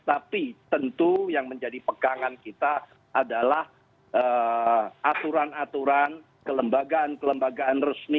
tapi tentu yang menjadi pegangan kita adalah aturan aturan kelembagaan kelembagaan resmi